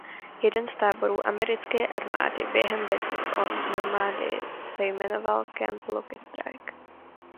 Jeden z táborů americké armády během Bitvy o Normandii se jmenoval "Camp Lucky Strike".